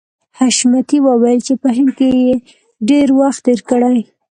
حشمتي وویل چې په هند کې یې ډېر وخت تېر کړی